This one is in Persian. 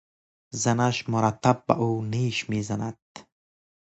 زنش مرتب به او نیش میزند.